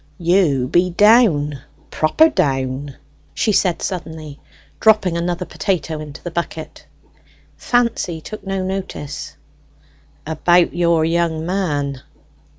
"You be down proper down," she said suddenly, dropping another potato into the bucket. Fancy took no notice. "About your young man."